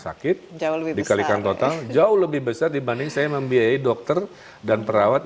sakit jauh lebih dikalikan total jauh lebih besar dibanding saya membiayai dokter dan perawat